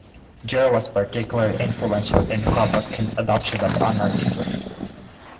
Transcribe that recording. Jura was particularly influential in Kropotkin's adoption of anarchism.